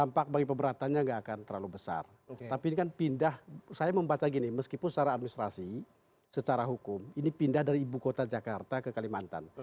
dampak bagi pemberatannya nggak akan terlalu besar tapi ini kan pindah saya membaca gini meskipun secara administrasi secara hukum ini pindah dari ibu kota jakarta ke kalimantan